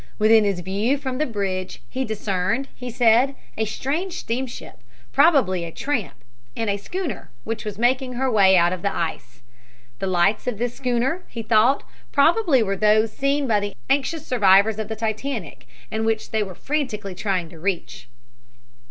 Within his view from the bridge he discerned, he said, a strange steamship, probably a "tramp," and a schooner which was making her way out of the ice. The lights of this schooner, he thought, probably were those seen by the anxious survivors of the Titanic and which they were frantically trying to reach.